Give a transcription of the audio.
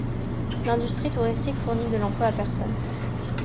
L'industrie touristique fournit de l'emploi à personnes.